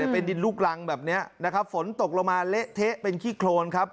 เป็นดินลูกรังแบบนี้นะครับฝนตกลงมาเละเทะเป็นขี้โครนครับ